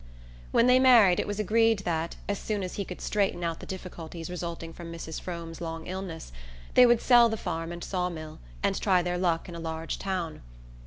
When they married it was agreed that, as soon as he could straighten out the difficulties resulting from Mrs. Frome's long illness, they would sell the farm and saw mill and try their luck in a large town.